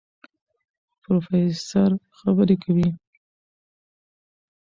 پروفېسر خبرې کوي.